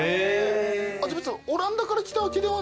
じゃあ別にオランダから来たわけではない？